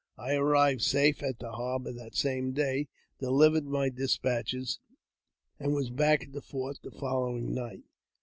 I arrived safe at the Harbour that same day, delivered my despatches, and was back at the fort the following night.